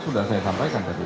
sudah saya sampaikan tadi